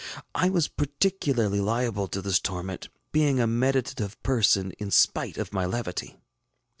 I was particularly liable to this torment, being a meditative person in spite of my levity.